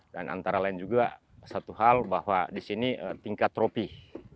dan antara lain juga satu hal bahwa di sini tingkat tropih